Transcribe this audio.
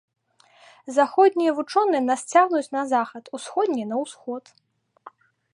Заходнія вучоныя нас цягнуць на захад, усходнія на ўсход.